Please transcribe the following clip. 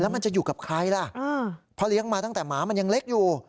มันจะอยู่กับใครล่ะเพราะเลี้ยงมาตั้งแต่หมามันยังเล็กอยู่